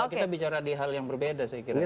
kita bicara di hal yang berbeda saya kira ini